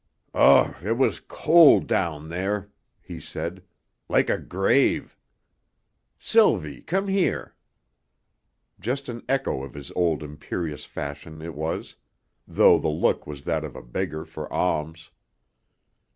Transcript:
"Ugh it was cold down there," he said, "like a grave! Sylvie, come here." Just an echo of his old imperious fashion it was though the look was that of a beggar for alms.